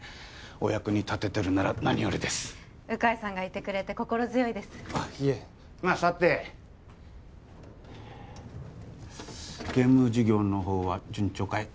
お役に立ててるなら何よりです鵜飼さんがいてくれて心強いですあっいえまあ座ってゲーム事業のほうは順調かい？